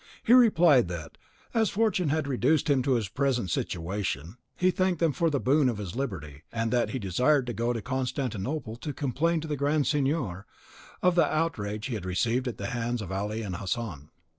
He replied that, "as fortune had reduced him to his present situation, he thanked them for the boon of his liberty; and that he desired to go to Constantinople to complain to the Grand Signor of the outrage he had received at the hands of Ali and Hassan."